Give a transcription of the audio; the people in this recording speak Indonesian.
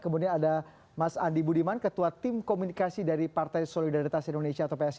kemudian ada mas andi budiman ketua tim komunikasi dari partai solidaritas indonesia atau psi